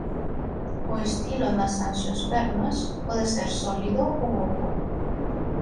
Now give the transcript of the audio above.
O estilo nas anxiospermas pode ser sólido ou oco.